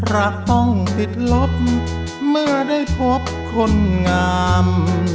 รักต้องติดลบเมื่อได้พบคนงาม